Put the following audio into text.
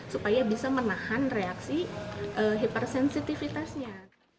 supaya bisa menahan reaksi hipersensitifitasnya